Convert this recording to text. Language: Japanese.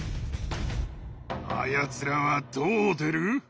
あやつらはどう出る？